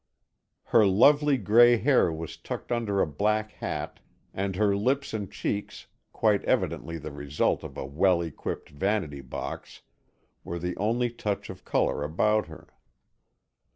Her lovely gray hair was tucked under a black hat, and her lips and cheeks, quite evidently the result of a well equipped vanity box, were the only touch of colour about her.